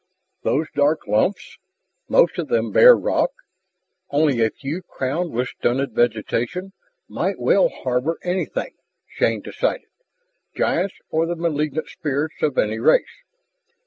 Those dark lumps, most of them bare rock, only a few crowned with stunted vegetation, might well harbor anything, Shann decided, giants or the malignant spirits of any race.